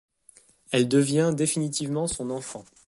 Elle devient définitivement son enfant.